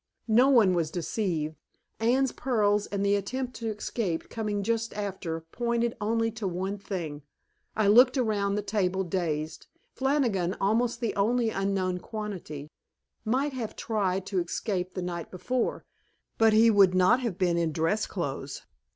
No one was deceived; Anne's pearls and the attempt to escape, coming just after, pointed only to one thing. I looked around the table, dazed. Flannigan, almost the only unknown quantity, might have tried to escape the night before, but he would not have been in dress clothes.